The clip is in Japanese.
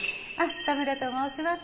田村と申します。